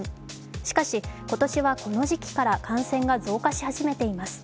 しかし、今年はこの時期から感染が増加し始めています。